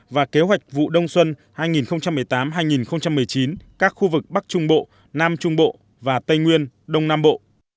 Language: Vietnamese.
và kế hoạch vụ đông xuân hai nghìn một mươi tám hai nghìn một mươi chín các khu vực bắc trung bộ nam trung bộ và tây nguyên đông nam bộ